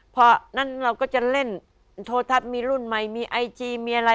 เพราะนั่นเราก็จะเล่นโทรทัศน์มีรุ่นใหม่มีไอจีมีอะไร